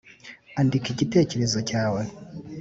Andika igitekerezo cyawe